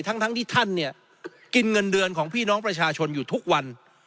ทั้งที่ท่านเนี่ยกินเงินเดือนของพี่น้องประชาชนอยู่ทุกวัน